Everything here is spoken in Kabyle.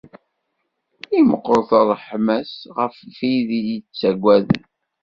I meqqret ṛṛeḥma-s ɣef wid i t-ittaggaden.